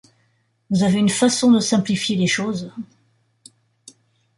Vous avez une façon de simplifier les choses!...